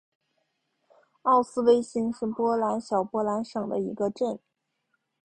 奥斯威辛是波兰小波兰省的一个镇。